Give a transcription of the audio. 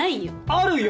あるよ！